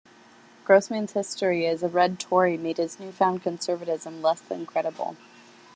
Grossman's history as a Red Tory made his new-found conservatism less than credible.